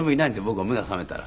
僕が目が覚めたら。